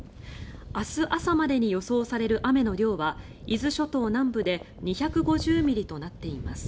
明日朝までに予想される雨の量は伊豆諸島南部で２５０ミリとなっています。